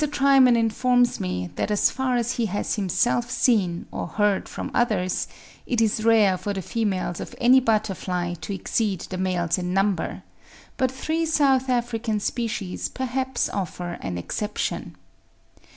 Trimen informs me that as far as he has himself seen, or heard from others, it is rare for the females of any butterfly to exceed the males in number; but three South African species perhaps offer an exception.